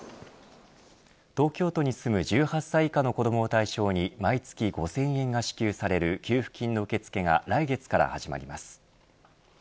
東京都に住む１８歳以下の子どもを対象に毎月５０００円が支給される給付金の受け付けが来月から始まります。